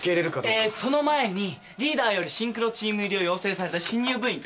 えーその前にリーダーよりシンクロチーム入りを要請された新入部員立松憲男